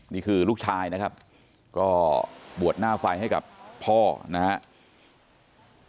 นี่คือลูกชายนะครับก็บวชหน้าไฟให้กับพ่อนะครับ